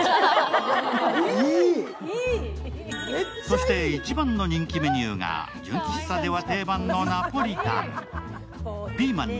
そして一番の人気メニューが純喫茶では定番のナポリタン。